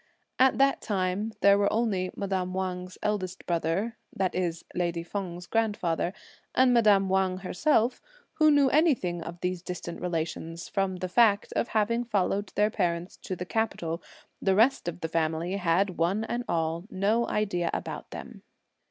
At that time, there were only madame Wang's eldest brother, that is lady Feng's father, and madame Wang herself, who knew anything of these distant relations, from the fact of having followed their parents to the capital. The rest of the family had one and all no idea about them.